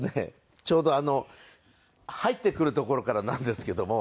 ちょうど入ってくるところからなんですけども。